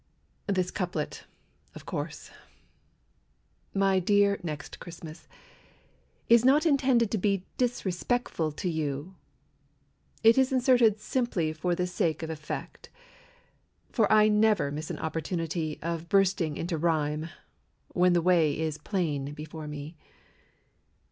This couplet, of course. My dear Next Christmas, Is not intended to be Disrespectful to you; It is inserted simply For the sake of effect. For I never miss an opportunity Of bursting into rhyme. When the way is plain before me.